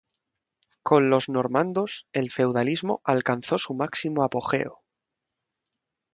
Con los normandos, el feudalismo alcanzó su máximo apogeo.